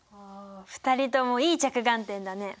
２人ともいい着眼点だね。